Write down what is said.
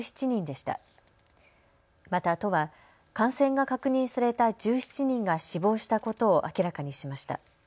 また都は感染が確認された１７人が死亡したことを明らかにしました。